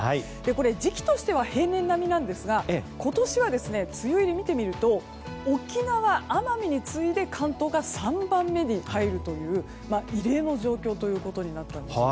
これ、時期としては平年並みなんですが今年は梅雨入りを見てみると沖縄、奄美に次いで関東が３番目に入るという異例の状況となったんです。